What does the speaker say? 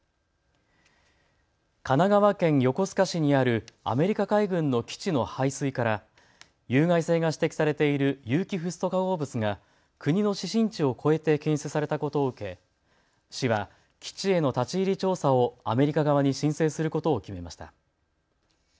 神奈川県横須賀市にあるアメリカ海軍の基地の排水から有害性が指摘されている有機フッ素化合物が国の指針値を超えて検出されたことを受け市は基地への立ち入り調査をアメリカ側に申請することを決めました。